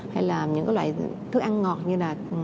hay là những loại thức ăn ngọt như là